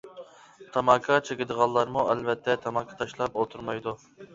تاماكا چېكىدىغانلارمۇ ئەلۋەتتە تاماكا تاشلاپ ئولتۇرمايدۇ.